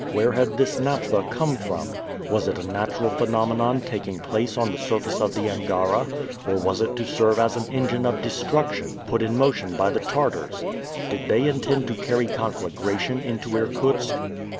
Where had this naphtha come from? Was it a natural phenomenon taking place on the surface of the Angara, or was it to serve as an engine of destruction, put in motion by the Tartars? Did they intend to carry conflagration into Irkutsk?